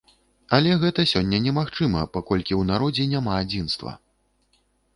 Але гэта сёння немагчыма, паколькі ў народзе няма адзінства.